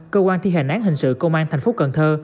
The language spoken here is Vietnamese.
cơ quan thi hành án hình sự công an thành phố cần thơ